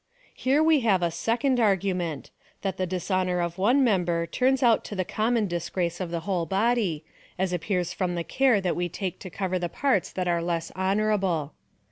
Here we have a second argument — that the dishonour of one member turns out to the common disgrace of the whole body, as appears from the care that we take to cover the parts that are less hon ourable.